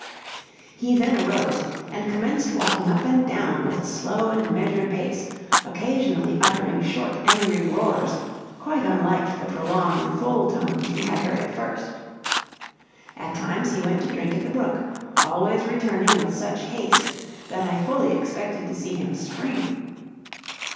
He then arose, and commenced walking up and down with a slow and measured pace, occasionally uttering short, angry roars, quite unlike the prolonged, full tones we had heard at first. At times he went to drink at the brook, always returning with such haste, that I fully expected to see him spring.